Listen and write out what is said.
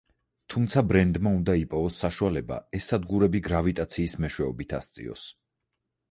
თუმცა, ბრენდმა უნდა იპოვოს საშუალება, ეს სადგურები გრავიტაციის მეშვეობით ასწიოს.